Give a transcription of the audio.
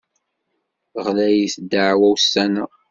Ɣlayet ddeɛwa ussan-a.